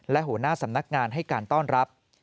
และหัวหน้าสำนักงานให้การต้อนรับ